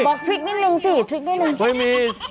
บอกทริกนิดนึงสิทริกนิดนึง